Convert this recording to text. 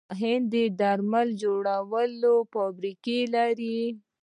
هند د درملو جوړولو فابریکې لري.